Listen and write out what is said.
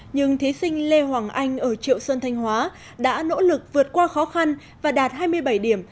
nhưng thí sinh lê hoàng anh ở triệu sơn thanh hóa đã nỗ lực vượt qua khó khăn và đạt hai mươi bảy điểm